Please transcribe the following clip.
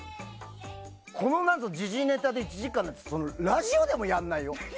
この中の時事ネタで１時間ってラジオでもやらないよ。